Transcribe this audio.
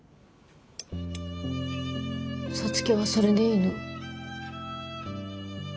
皐月はそれでいいの？